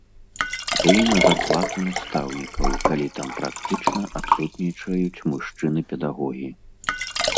Ды і на зарплату настаўнікаў, калі там практычна адсутнічаюць мужчыны-педагогі.